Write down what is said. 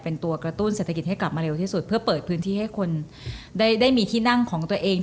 เป็นตัวกระตุ้นเศรษฐกิจให้กลับมาเร็วที่สุดเพื่อเปิดพื้นที่ให้คนได้มีที่นั่งของตัวเอง